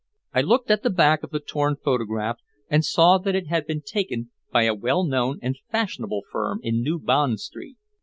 I looked at the back of the torn photograph, and saw that it had been taken by a well known and fashionable firm in New Bond Street.